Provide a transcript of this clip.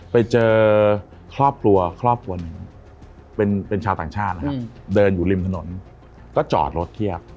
ไปเจอครอบครัวครอบครัวหนึ่งเป็นชาวต่างชาตินะครับเดินอยู่ริมถนนก็จอดรถเทียบ